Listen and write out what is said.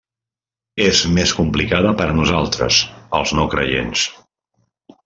És més complicada per a nosaltres els no-creients.